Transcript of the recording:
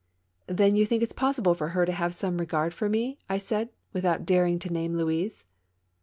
" Then you think it's possible for her to have some regard for me? " I said, without daring to name Louise.